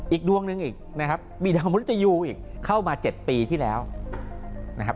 ดวงหนึ่งอีกนะครับมีดาวมรุตยูอีกเข้ามา๗ปีที่แล้วนะครับ